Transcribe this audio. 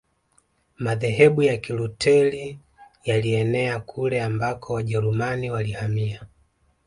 Madhehebu ya Kilutheri yalienea kule ambako Wajerumani walihamia